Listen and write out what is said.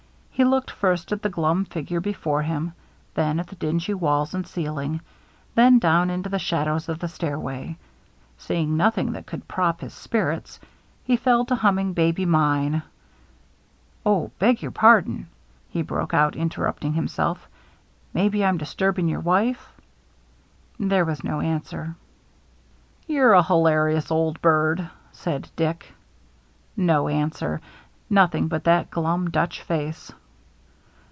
He looked first at the glum figure before him, then at the dingy walls and ceiling, then down into the shadows of the stairway. Seeing nothing that could prop his spirits, he fell to humming THE MEETING 333 " Baby Mine." " Oh, I beg your pardon," he broke out, interrupting himself; "maybe I'm disturbing your wife ?" There was no answer. " You're a hilarious old bird," said Dick. No answer — nothing but that glum Dutch face.